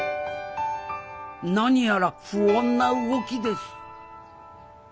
何やら不穏な動きです。